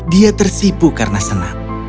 dia tersipu karena senang